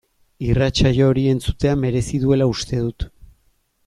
Irratsaio hori entzutea merezi duela uste dut.